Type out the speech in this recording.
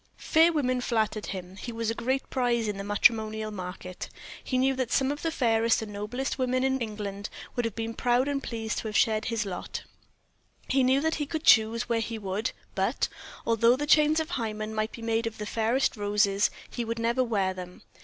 Fair women flattered him; he was a great prize in the matrimonial market. He knew that some of the fairest and noblest women in England would have been proud and pleased to have shared his lot; he knew that he could choose where he would, but, although the chains of Hymen might be made of the fairest roses, he would never wear them.